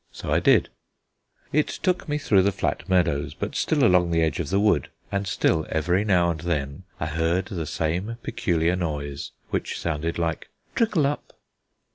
So I did: it took me through the flat meadows, but still along the edge of the wood, and still every now and then I heard the same peculiar noise which sounded like Trickle up.